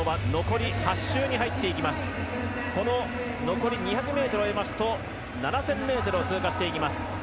残り２００ｍを終えますと７０００ｍを通過していきます。